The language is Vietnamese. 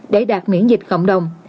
để đạt miễn dịch cộng đồng